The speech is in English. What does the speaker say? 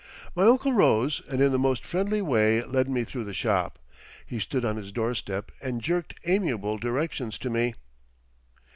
My uncle rose and in the most friendly way led me through the shop. He stood on his doorstep and jerked amiable directions to me.